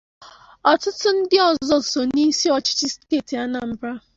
Ọtụtụ ndị ọzọ so n'isi ọchịchị steeti Anambra